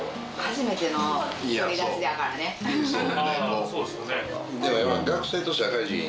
ああそうですよね。